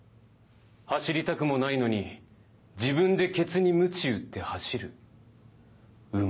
走りたくもないのに自分でケツにむち打って走る馬。